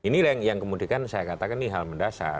nah ini yang kemudian saya katakan ini hal mendasar